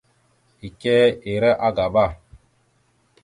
Ike ira agaba.